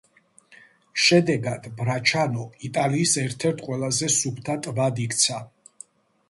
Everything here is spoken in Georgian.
შედეგად, ბრაჩანო იტალიის ერთ-ერთ ყველაზე სუფთა ტბად იქცა.